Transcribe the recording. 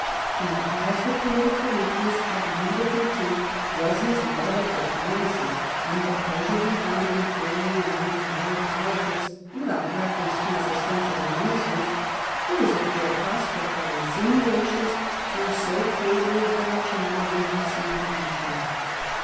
And as the political weakness of Louis XV. was his love of diplomacy and the pleasure he found in carrying on the higher politics without reference to his ostensible ministers, there was a fair prospect that insinuations through so favourable a channel would receive attention.